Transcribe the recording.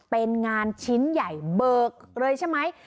เป็นงานชิ้นใหญ่เบิกเลยใช่ไหม